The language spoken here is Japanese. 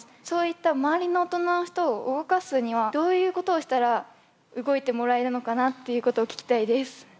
そういった周りの大人の人を動かすにはどういうことをしたら動いてもらえるのかなっていうことを聞きたいです。